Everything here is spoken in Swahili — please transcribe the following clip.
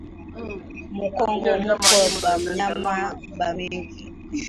Mu kongo muko ba nyama ba mingi